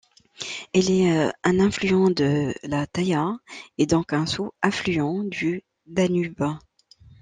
Elle est un affluent de la Thaya et donc un sous-affluent du Danube.